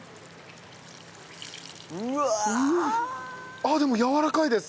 あっでもやわらかいです。